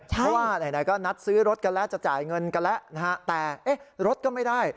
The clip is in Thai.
เพราะว่าไหนก็นัดซื้อรถกันแล้วจะจ่ายเงินกันแล้วนะฮะแต่เอ๊ะรถก็ไม่ได้